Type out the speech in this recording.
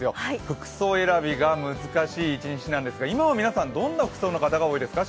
服装選びが難しい一日なんですが、今は皆さんどんな服装の方が多いですか？